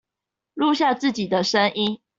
錄下自己的聲音